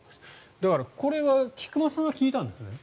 だから、これは菊間さんが聞いたんですよね？